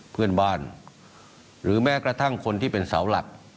เพื่อนบ้านหรือแม้กระทั่งคนที่เป็นเสาหลัก